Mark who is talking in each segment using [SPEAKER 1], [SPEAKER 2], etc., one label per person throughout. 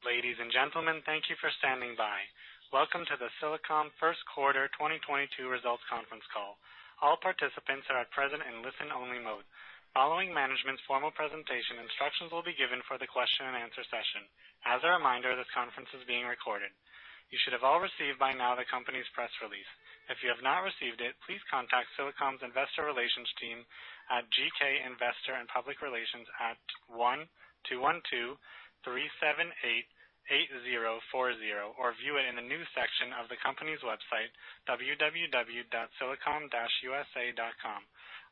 [SPEAKER 1] Ladies and gentlemen, thank you for standing by. Welcome to the Silicom Q1 2022 results conference call. All participants are at present in listen-only mode. Following management's formal presentation, instructions will be given for the question and answer session. As a reminder, this conference is being recorded. You should have all received by now the company's press release. If you have not received it, please contact Silicom's investor relations team at GK Investor & Public Relations at 1-212-378-8040, or view it in the news section of the company's website, www.silicom-usa.com.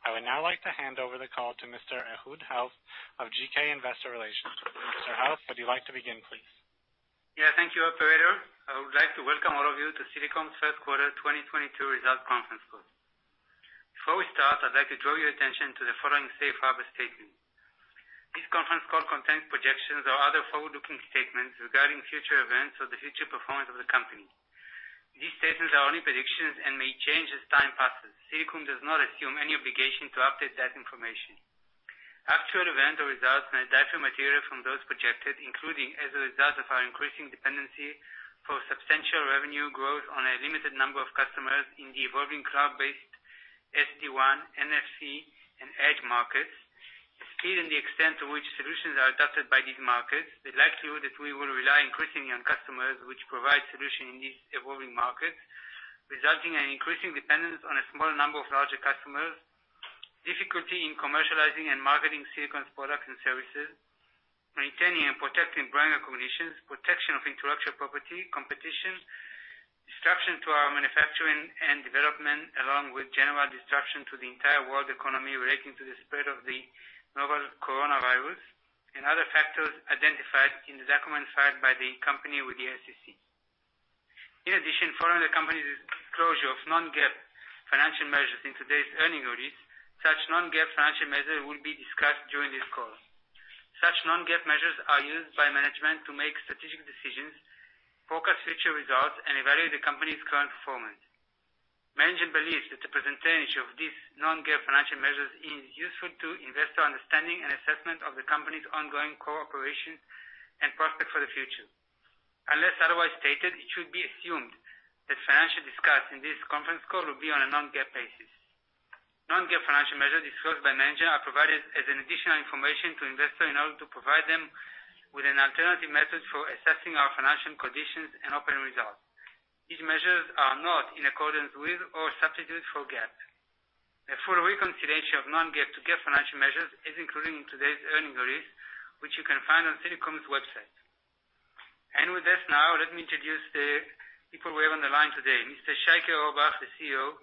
[SPEAKER 1] I would now like to hand over the call to Mr. Ehud Helft of GK Investor & Public Relations. Mr. Helft, would you like to begin, please?
[SPEAKER 2] Yeah, thank you, operator. I would like to welcome all of you to Silicom's Q1 2022 results conference call. Before we start, I'd like to draw your attention to the following safe harbor statement. This conference call contains projections or other forward-looking statements regarding future events or the future performance of the company. These statements are only predictions and may change as time passes. Silicom does not assume any obligation to update that information. Actual events or results may differ materially from those projected, including as a result of our increasing dependency for substantial revenue growth on a limited number of customers in the evolving cloud-based SD-WAN, NFV, and Edge markets. The speed and the extent to which solutions are adopted by these markets, the likelihood that we will rely increasingly on customers which provide solutions in these evolving markets, resulting in increasing dependence on a small number of larger customers, difficulty in commercializing and marketing Silicom's products and services, maintaining and protecting brand recognition, protection of intellectual property, competition, disruption to our manufacturing and development, along with general disruption to the entire world economy relating to the spread of the novel coronavirus, and other factors identified in the document filed by the company with the SEC. In addition, following the company's disclosure of non-GAAP financial measures in today's earnings release, such non-GAAP financial measures will be discussed during this call. Such non-GAAP measures are used by management to make strategic decisions, focus future results, and evaluate the company's current performance. Management believes that the presentation of these non-GAAP financial measures is useful to investor understanding and assessment of the company's ongoing core operation and prospect for the future. Unless otherwise stated, it should be assumed that financials discussed in this conference call will be on a non-GAAP basis. Non-GAAP financial measures discussed by management are provided as additional information to investors in order to provide them with an alternative method for assessing our financial conditions and operating results. These measures are not in accordance with GAAP or a substitute for GAAP. A full reconciliation of non-GAAP to GAAP financial measures is included in today's earnings release, which you can find on Silicom's website. With this now, let me introduce the people we have on the line today, Mr. Yeshayahu Orbach, the CEO,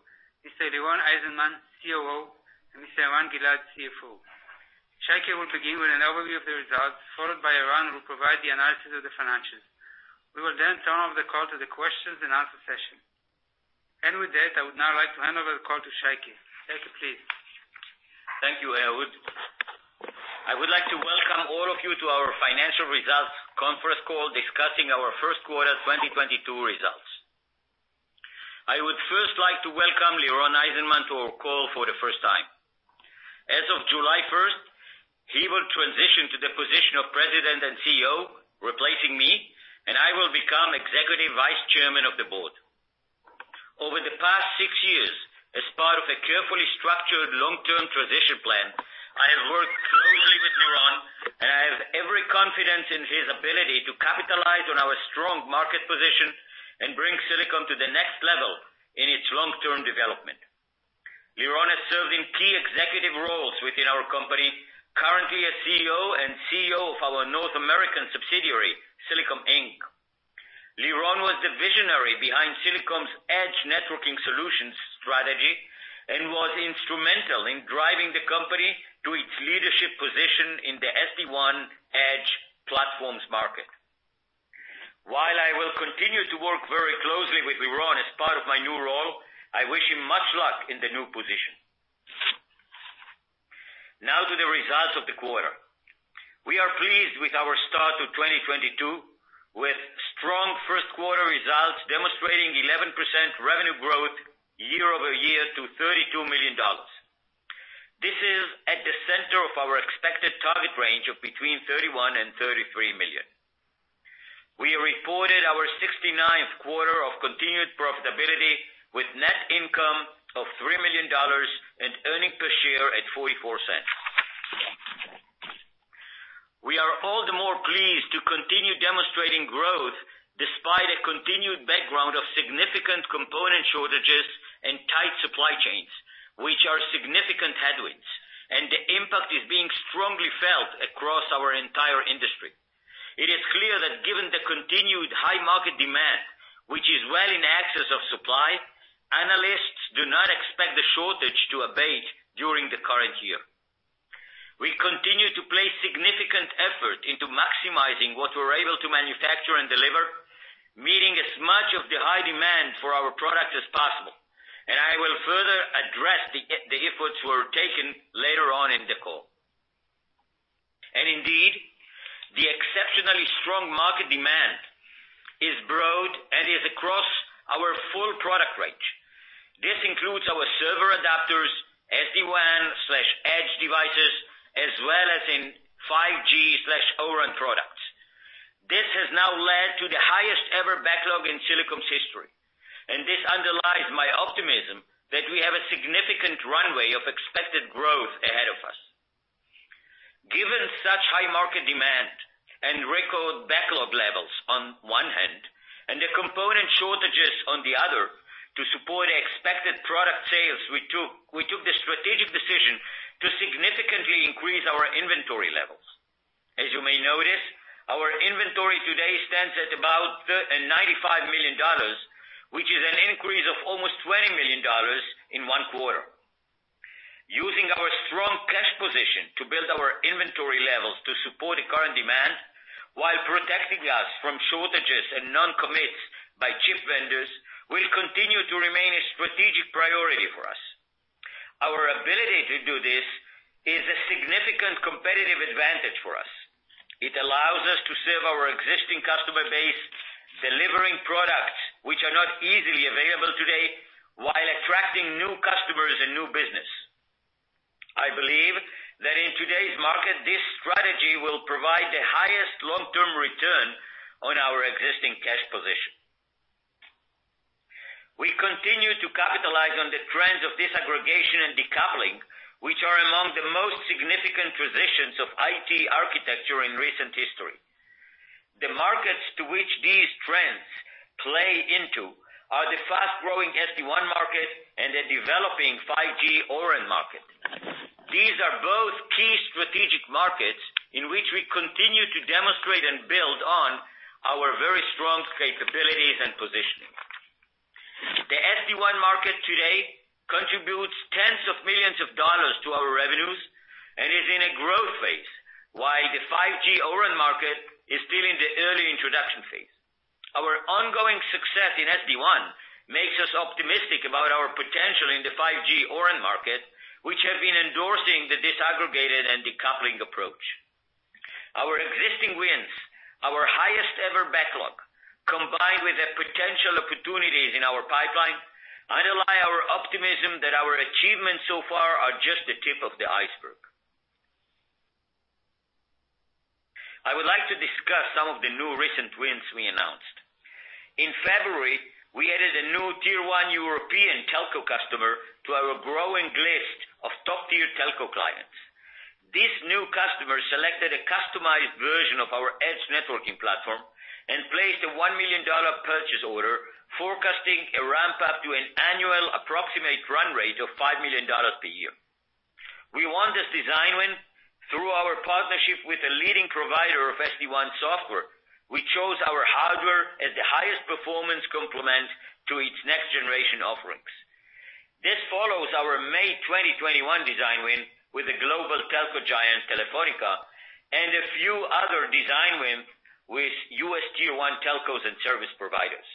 [SPEAKER 2] Mr. Liron Eizenman, COO, and Mr. Eran Gilad, CFO. Yeshayahu Orbach will begin with an overview of the results, followed by Eran Gilad, who will provide the analysis of the financials. We will then turn over the call to the questions and answer session. With that, I would now like to hand over the call to Yeshayahu Orbach. Yeshayahu Orbach, please.
[SPEAKER 3] Thank you, Ehud. I would like to welcome all of you to our financial results conference call discussing our Q1 2022 results. I would first like to welcome Liron Eizenman to our call for the first time. As of July 1, he will transition to the position of President and CEO, replacing me, and I will become Executive Vice Chairman of the board. Over the past six years, as part of a carefully structured long-term transition plan, I have worked closely with Liron, and I have every confidence in his ability to capitalize on our strong market position and bring Silicom to the next level in its long-term development. Liron has served in key executive roles within our company, currently as COO and CEO of our North American subsidiary, Silicom Inc. Liron was the visionary behind Silicom's Edge networking solutions strategy and was instrumental in driving the company to its leadership position in the SD-WAN/Edge platforms market. While I will continue to work very closely with Liron as part of my new role, I wish him much luck in the new position. Now to the results of the quarter. We are pleased with our start to 2022, with strong Q1 results demonstrating 11% revenue growth year-over-year to $32 million. This is at the center of our expected target range of between $31 million and $33 million. We reported our 69th quarter of continued profitability with net income of $3 million and earnings per share at $0.44. We are all the more pleased to continue demonstrating growth despite a continued background of significant component shortages and tight supply chains, which are significant headwinds, and the impact is being strongly felt across our entire industry. It is clear that given the continued high market demand, which is well in excess of supply, analysts do not expect the shortage to abate during the current year. We continue to place significant effort into maximizing what we're able to manufacture and deliver, meeting as much of the high demand for our product as possible, and I will further address the efforts were taken later on in the call. Indeed, the exceptionally strong market demand for our product range. This includes our Server Adapters, SD-WAN/Edge platforms, as well as 5G/O-RAN products. This has now led to the highest ever backlog in Silicom's history, and this underlies my optimism that we have a significant runway of expected growth ahead of us. Given such high market demand and record backlog levels on one hand, and the component shortages on the other to support expected product sales, we took the strategic decision to significantly increase our inventory levels. As you may notice, our inventory today stands at about $95 million, which is an increase of almost $20 million in one quarter. Using our strong cash position to build our inventory levels to support the current demand, while protecting us from shortages and non-commits by chip vendors, will continue to remain a strategic priority for us. Our ability to do this is a significant competitive advantage for us. It allows us to serve our existing customer base, delivering products which are not easily available today, while attracting new customers and new business. I believe that in today's market, this strategy will provide the highest long-term return on our existing cash position. We continue to capitalize on the trends of disaggregation and decoupling, which are among the most significant transitions of IT architecture in recent history. The markets to which these trends play into are the fast-growing SD-WAN market and the developing 5G ORAN market. These are both key strategic markets in which we continue to demonstrate and build on our very strong capabilities and positioning. The SD-WAN market today contributes tens of millions of dollars to our revenues and is in a growth phase, while the 5G ORAN market is still in the early introduction phase. Our ongoing success in SD-WAN makes us optimistic about our potential in the 5G O-RAN market, which have been endorsing the disaggregated and decoupling approach. Our existing wins, our highest ever backlog, combined with the potential opportunities in our pipeline, underlie our optimism that our achievements so far are just the tip of the iceberg. I would like to discuss some of the new recent wins we announced. In February, we added a new tier one European telco customer to our growing list of top-tier telco clients. This new customer selected a customized version of our Edge Networking Platform and placed a $1 million purchase order, forecasting a ramp up to an annual approximate run rate of $5 million per year. We won this design win through our partnership with a leading provider of SD-WAN software. We chose our hardware as the highest performance complement to its next generation offerings. This follows our May 2021 design win with the global telco giant Telefónica and a few other design win with US tier one telcos and service providers.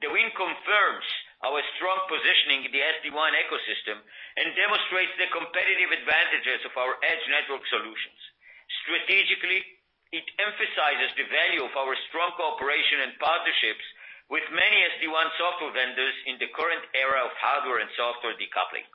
[SPEAKER 3] The win confirms our strong positioning in the SD-WAN ecosystem and demonstrates the competitive advantages of our Edge Networking Solutions. Strategically, it emphasizes the value of our strong cooperation and partnerships with many SD-WAN software vendors in the current era of hardware and software decoupling.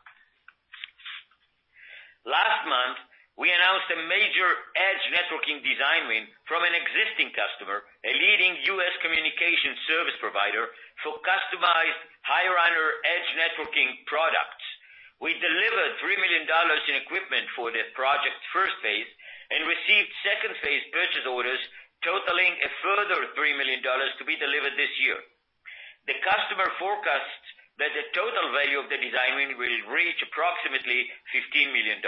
[SPEAKER 3] Last month, we announced a major Edge networking design win from an existing customer, a leading US communication service provider, for customized High Runner Edge networking products. We delivered $3 million in equipment for the project's first phase and received second phase purchase orders totaling a further $3 million to be delivered this year. The customer forecasts that the total value of the design win will reach approximately $15 million.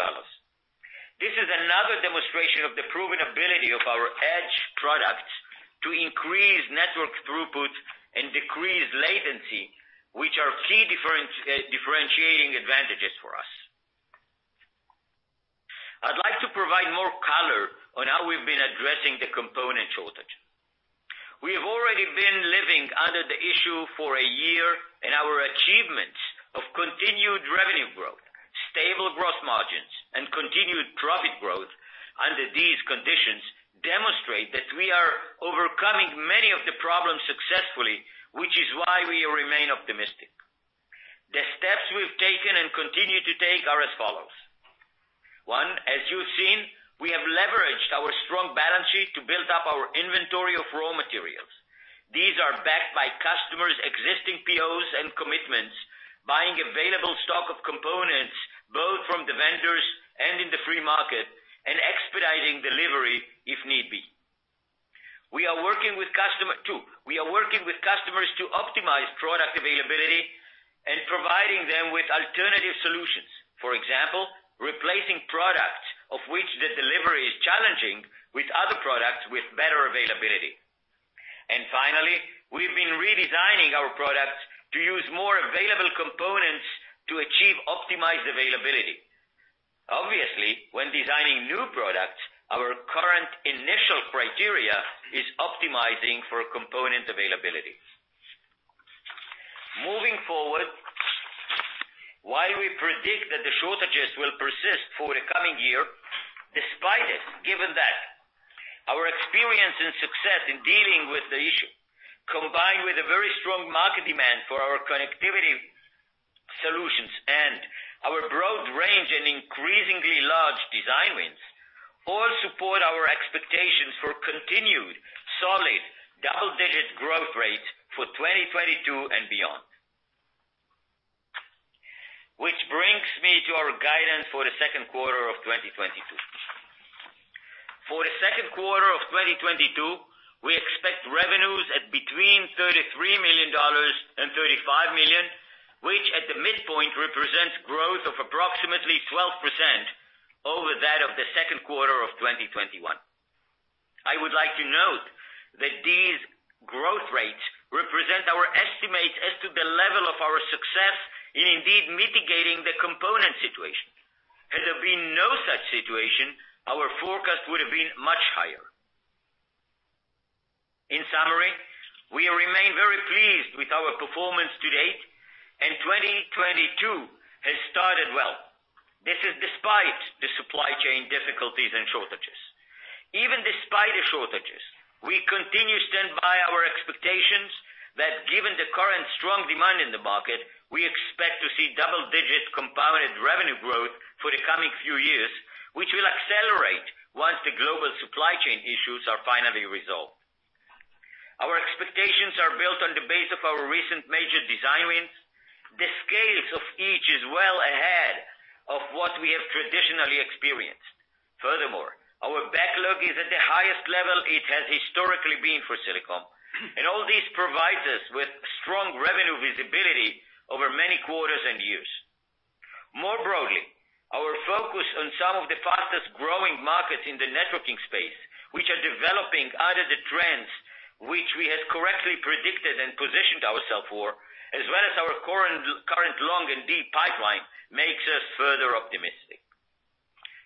[SPEAKER 3] This is another demonstration of the proven ability of our Edge products to increase network throughput and decrease latency, which are key differentiating advantages for us. I'd like to provide more color on how we've been addressing the component shortage. We have already been living under the issue for a year, and our achievements of continued revenue growth, stable growth margins, and continued profit growth under these conditions demonstrate that we are overcoming many of the problems successfully, which is why we remain optimistic. The steps we've taken and continue to take are as follows. One, as you've seen, we have leveraged our strong balance sheet to build up our inventory of raw materials. These are backed by customers' existing POs and commitments, buying available stock of components, both from the vendors and in the free market, and expediting delivery if need be. We are working with customers to optimize product availability and providing them with alternative solutions. For example, replacing products of which the delivery is challenging with other products with better availability. Finally, we've been redesigning our products to use more available components to achieve optimized availability. Obviously, when designing new products, our current initial criteria is optimizing for component availability. Moving forward. While we predict that the shortages will persist for the coming year, despite it, given that our experience and success in dealing with the issue, combined with a very strong market demand for our connectivity solutions and our broad range and increasingly large design wins, all support our expectations for continued solid double-digit growth rates for 2022 and beyond. Which brings me to our guidance for the Q2 of 2022. For the Q2 of 2022, we expect revenues at between $33 million and $35 million, which at the midpoint represents growth of approximately 12% over that of the Q2 of 2021. I would like to note that these growth rates represent our estimates as to the level of our success in indeed mitigating the component situation. Had there been no such situation, our forecast would have been much higher. In summary, we remain very pleased with our performance to date, and 2022 has started well. This is despite the supply chain difficulties and shortages. Even despite the shortages, we continue to stand by our expectations that given the current strong demand in the market, we expect to see double-digit compounded revenue growth for the coming few years, which will accelerate once the global supply chain issues are finally resolved. Our expectations are built on the base of our recent major design wins. The scales of each is well ahead of what we have traditionally experienced. Furthermore, our backlog is at the highest level it has historically been for Silicom, and all this provides us with strong revenue visibility over many quarters and years. More broadly, our focus on some of the fastest-growing markets in the networking space, which are developing out of the trends which we have correctly predicted and positioned ourselves for, as well as our current long and deep pipeline, makes us further optimistic.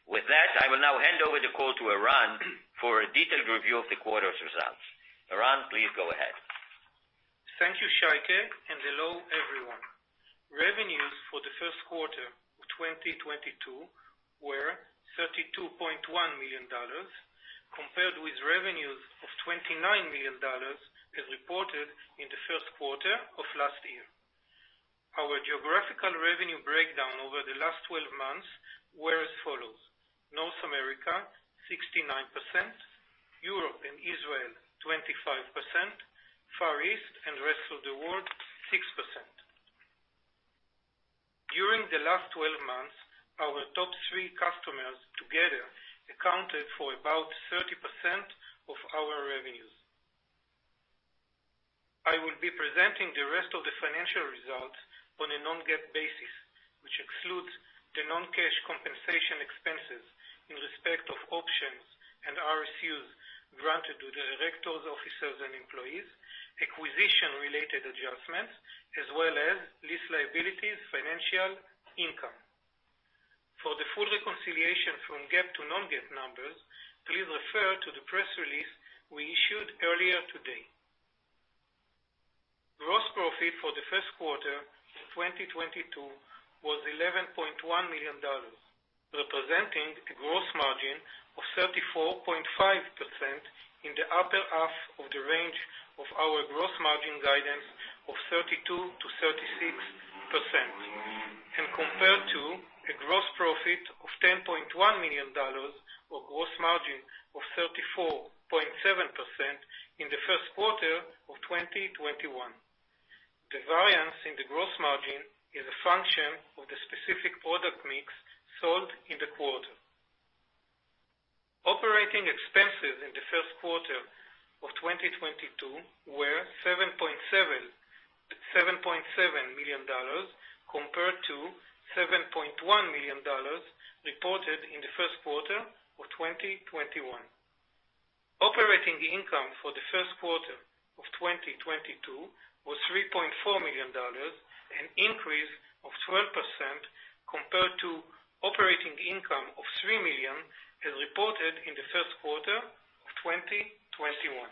[SPEAKER 3] With that, I will now hand over the call to Eran for a detailed review of the quarter's results. Eran, please go ahead.
[SPEAKER 4] Thank you, Shaike, and hello, everyone. Revenues for the Q1 of 2022 were $32.1 million, compared with revenues of $29 million as reported in the Q1 of last year. Our geographical revenue breakdown over the last twelve months were as follows, North America, 69%, Europe and Israel, 25%, Far East and rest of the world, 6%. During the last twelve months, our top three customers together accounted for about 30% of our revenues. I will be presenting the rest of the financial results on a non-GAAP basis, which excludes the non-cash compensation expenses in respect of options and RSUs granted to directors, officers and employees, acquisition-related adjustments, as well as lease liabilities financial income. For the full reconciliation from GAAP to non-GAAP numbers, please refer to the press release we issued earlier today. Gross profit for the Q1 of 2022 was $11.1 million, representing a gross margin of 34.5% in the upper half of the range of our gross margin guidance of 32%-36%, and compared to a gross profit of $10.1 million, or gross margin of 34.7% in the Q1 of 2021. The variance in the gross margin is a function of the specific product mix sold in the quarter. Operating expenses in the Q1 of 2022 were $7.7 million, compared to $7.1 million reported in the Q1 of 2021. Operating income for the Q1 of 2022 was $3.4 million, an increase of 12% compared to operating income of $3 million as reported in the Q1 of 2021.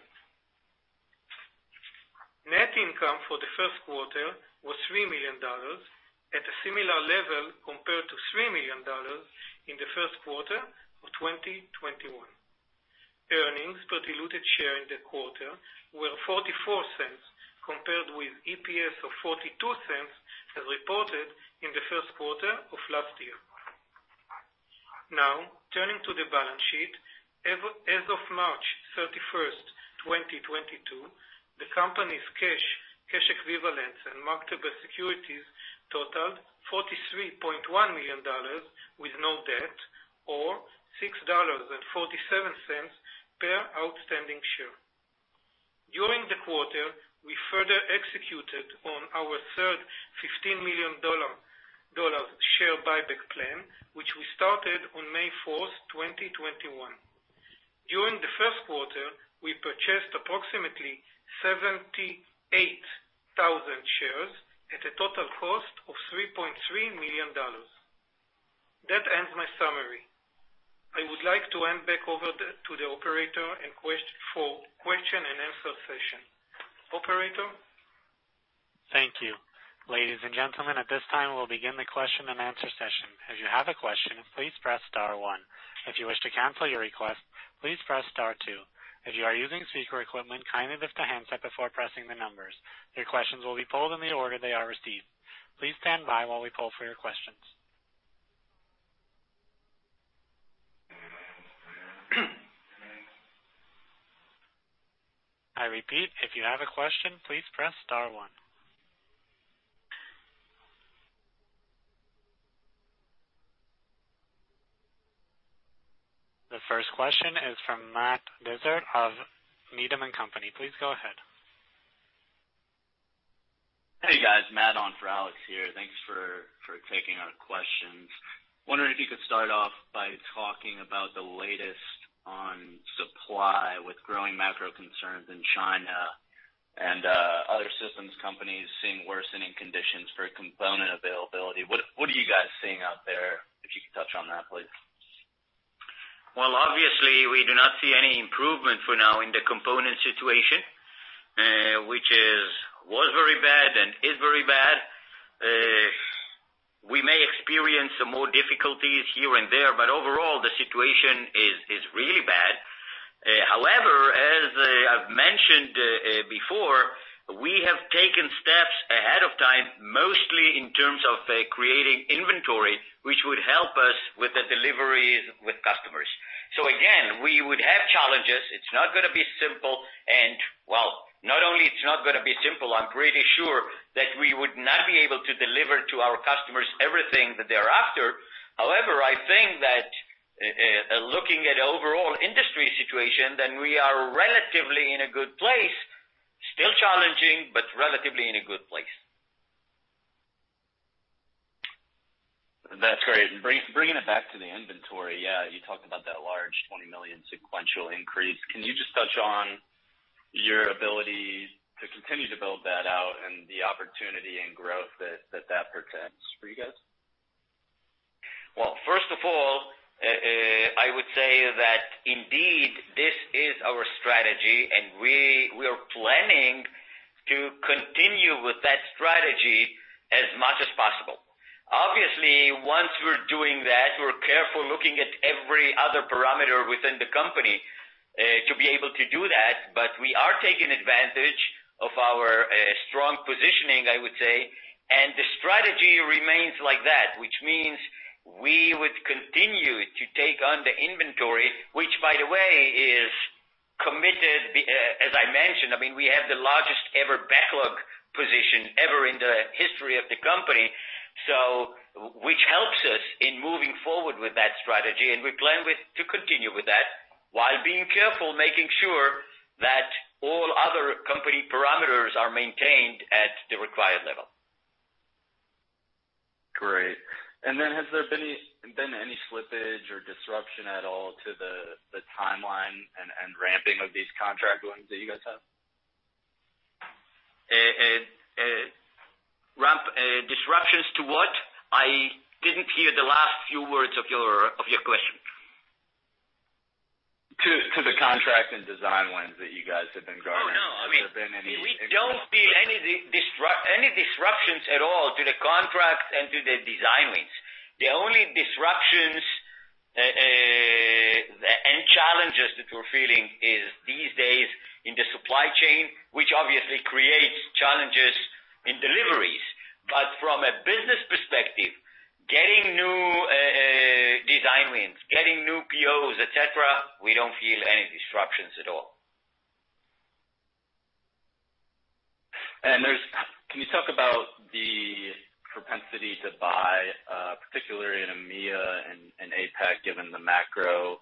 [SPEAKER 4] Net income for the Q1 was $3 million, at a similar level compared to $3 million in the Q1 of 2021. Earnings per diluted share in the quarter were $0.44, compared with EPS of $0.42 as reported in the Q1 of last year. Now, turning to the balance sheet. As of March 31, 2022, the company's cash equivalents and marketable securities totaled $43.1 million with no debt and $6.47 per outstanding share. During the quarter, we further executed on our third $15 million share buyback plan, which we started on May 4, 2021. During the Q1, we purchased approximately 78,000 shares at a total cost of $3.3 million. In summary, I would like to hand back over to the operator for question and answer session. Operator?
[SPEAKER 1] Thank you. Ladies and gentlemen, at this time we'll begin the question and answer session. If you have a question, please press star one. If you wish to cancel your request, please press star two. If you are using speaker equipment, kindly lift the handset before pressing the numbers. Your questions will be pulled in the order they are received. Please stand by while we pull for your questions. I repeat, if you have a question, please press star one. The first question is from Matt Dezort of Needham & Company. Please go ahead.
[SPEAKER 5] Hey, guys. Matt on for Alex here. Thanks for taking our questions. Wondering if you could start off by talking about the latest on supply with growing macro concerns in China and other systems companies seeing worsening conditions for component availability. What are you guys seeing out there? If you could touch on that, please.
[SPEAKER 3] Well, obviously, we do not see any improvement for now in the component situation, which was very bad and is very bad. We may experience some more difficulties here and there, but overall the situation is really bad. However, as I've mentioned before, we have taken steps ahead of time, mostly in terms of creating inventory, which would help us with the deliveries with customers. Again, we would have challenges. It's not gonna be simple and, well, not only it's not gonna be simple, I'm pretty sure that we would not be able to deliver to our customers everything that they're after. However, I think that looking at overall industry situation, then we are relatively in a good place. Still challenging, but relatively in a good place.
[SPEAKER 5] That's great. Bringing it back to the inventory. Yeah, you talked about that large $20 million sequential increase. Can you just touch on your ability to continue to build that out and the opportunity and growth that presents for you guys?
[SPEAKER 3] Well, first of all, I would say that indeed this is our strategy, and we are planning to continue with that strategy as much as possible. Obviously, once we're doing that, we're careful looking at every other parameter within the company to be able to do that, but we are taking advantage of our strong positioning, I would say. The strategy remains like that, which means we would continue to take on the inventory, which by the way is committed, as I mentioned. I mean, we have the largest ever backlog position ever in the history of the company, so which helps us in moving forward with that strategy, and we plan to continue with that while being careful, making sure that all other company parameters are maintained at the required level.
[SPEAKER 5] Great. Has there been any slippage or disruption at all to the timeline and ramping of these contract wins that you guys have?
[SPEAKER 3] Disruptions to what? I didn't hear the last few words of your question.
[SPEAKER 5] To the contract and design wins that you guys have been growing.
[SPEAKER 3] Oh, no. I mean.
[SPEAKER 5] Has there been any?
[SPEAKER 3] We don't feel any disruptions at all to the contracts and to the design wins. The only disruptions and challenges that we're feeling is these days in the supply chain, which obviously creates challenges in deliveries. From a business perspective, getting new design wins, getting new POs, et cetera, we don't feel any disruptions at all.
[SPEAKER 5] Can you talk about the propensity to buy, particularly in EMEA and APAC, given the macro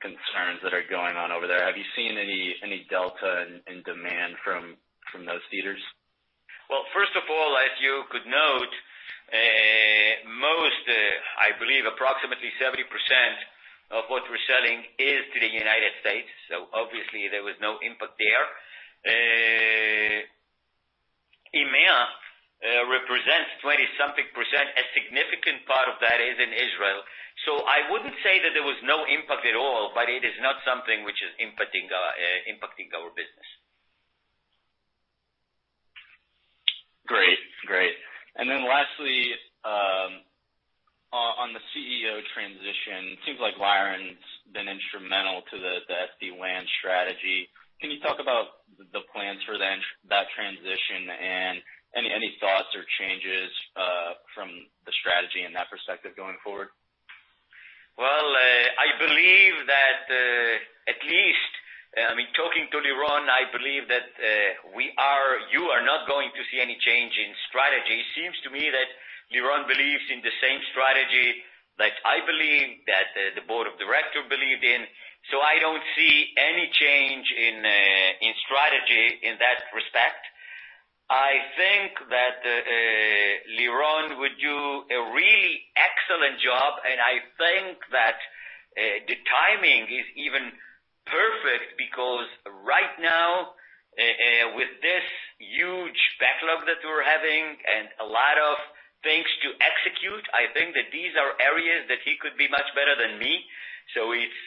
[SPEAKER 5] concerns that are going on over there? Have you seen any delta in demand from those theaters?
[SPEAKER 3] Well, first of all, as you could note, most, I believe approximately 70% of what we're selling is to the United States. Obviously there was no impact there. EMEA represents 20-something%. A significant part of that is in Israel. I wouldn't say that there was no impact at all, but it is not something which is impacting our business.
[SPEAKER 5] Great. Lastly, on the CEO transition. Seems like Liron's been instrumental to the SD-WAN strategy. Can you talk about the plans for that transition and any thoughts or changes from the strategy in that perspective going forward?
[SPEAKER 3] Well, I believe that, at least, I mean, talking to Liron, I believe that you are not going to see any change in strategy. It seems to me that Liron believes in the same strategy that I believe, that the board of director believed in. I don't see any change in strategy in that respect. I think that Liron would do a really excellent job, and I think that the timing is even perfect because with this huge backlog that we're having and a lot of things to execute, I think that these are areas that he could be much better than me, so it's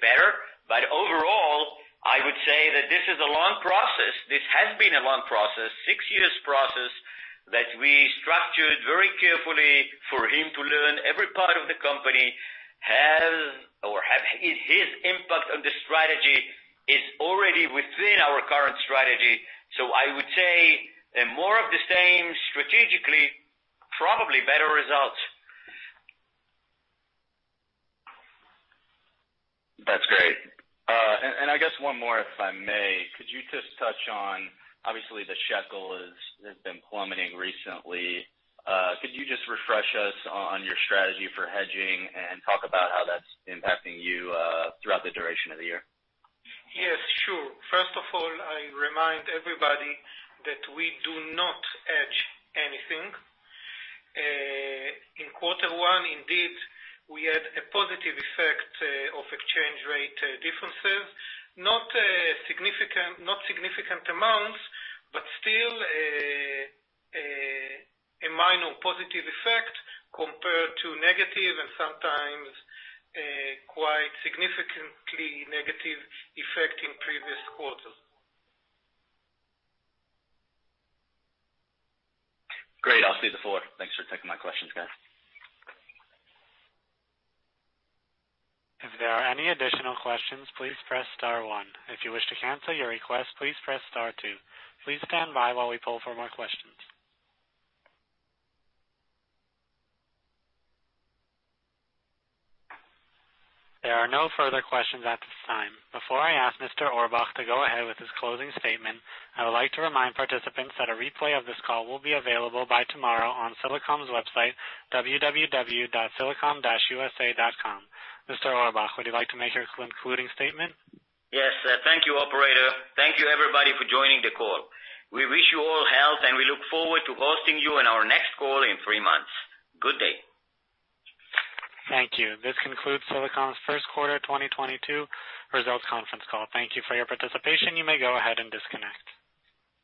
[SPEAKER 3] better. Overall, I would say that this is a long process. This has been a long process, six years process that we structured very carefully for him to learn every part of the company. His impact on the strategy is already within our current strategy. I would say more of the same strategically, probably better results.
[SPEAKER 5] That's great. I guess one more, if I may. Could you just touch on, obviously the shekel is, has been plummeting recently. Could you just refresh us on your strategy for hedging and talk about how that's impacting you throughout the duration of the year?
[SPEAKER 3] Yes, sure. First of all, I remind everybody that we do not hedge anything. In quarter one, indeed, we had a positive effect of exchange rate differences. Not significant amounts, but still, a minor positive effect compared to negative and sometimes quite significantly negative effect in previous quarters.
[SPEAKER 5] Great. I'll yield the floor. Thanks for taking my questions, guys.
[SPEAKER 1] If there are any additional questions, please press star one. If you wish to cancel your request, please press star two. Please stand by while we pull for more questions. There are no further questions at this time. Before I ask Mr. Orbach to go ahead with his closing statement, I would like to remind participants that a replay of this call will be available by tomorrow on Silicom's website, www.silicom-usa.com. Mr. Orbach, would you like to make your concluding statement?
[SPEAKER 3] Yes. Thank you, operator. Thank you everybody for joining the call. We wish you all health, and we look forward to hosting you on our next call in three months. Good day.
[SPEAKER 1] Thank you. This concludes Silicom's Q1 2022 results conference call. Thank you for your participation. You may go ahead and disconnect.